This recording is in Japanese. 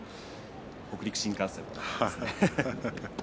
北陸新幹線ですね。